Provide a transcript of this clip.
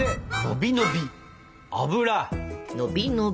のびのび。